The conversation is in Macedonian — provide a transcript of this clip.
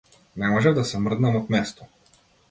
Не можев да се мрднам од место.